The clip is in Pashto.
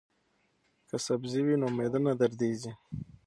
که سبزی وي نو معده نه دردیږي.